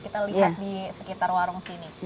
kita lihat di sekitar warung sini